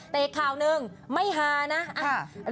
แต่อีกข่าวหนึ่งไม่ฮานะ